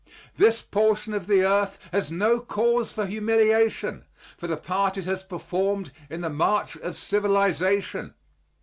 This portion of the earth has no cause for humiliation for the part it has performed in the march of civilization.